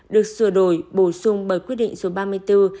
được sửa đổi bổ sung bởi quyết định số ba mươi bốn năm hai nghìn một mươi quy đề ttg